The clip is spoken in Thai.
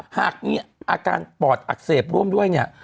หากมีอาการปอดอักเสบร่วมด้วยเนี่ย